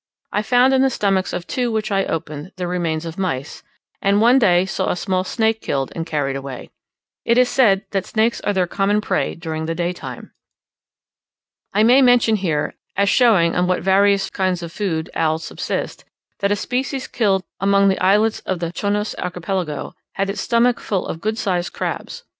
I found in the stomachs of two which I opened the remains of mice, and I one day saw a small snake killed and carried away. It is said that snakes are their common prey during the daytime. I may here mention, as showing on what various kinds of food owls subsist, that a species killed among the islets of the Chonos Archipelago, had its stomach full of good sized crabs.